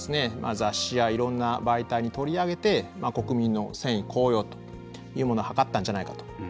雑誌やいろんな媒体に取り上げて国民の戦意高揚というものを図ったんじゃないかと思います。